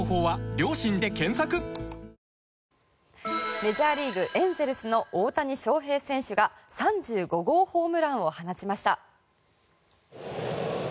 メジャーリーグエンゼルスの大谷翔平選手が３５号ホームランを放ちました。